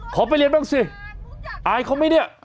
ขอไปเรียนเปล่าหรืออายเขาไหมเนี้ยอ๋อ